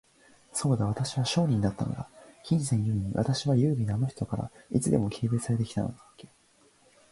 そうだ、私は商人だったのだ。金銭ゆえに、私は優美なあの人から、いつも軽蔑されて来たのだっけ。